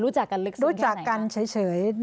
รู้จักกันลึกซึ้งแค่ไหนคะรู้จักกันเฉย